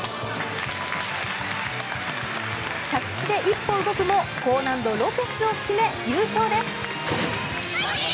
着地で１歩動くも高難度ロペスを決め、優勝です。